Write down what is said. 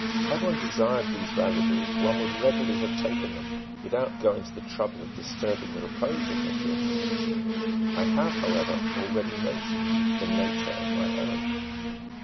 "Had one desired these valuables, one would readily have taken them without going to the trouble of disturbing the repose of monsieur.... I have, however, already mentioned the nature of my errand."